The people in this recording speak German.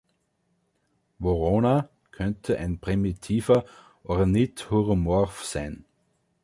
„Vorona“ könnte ein primitiver Ornithuromorph sein.